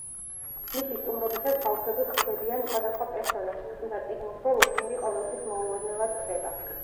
მისი სტუმრობისას ბავშვები ხვდებიან სხვადასხვა პერსონაჟს, თუმცა წიგნის ბოლოს მერი ყოველთვის მოულოდნელად ქრება.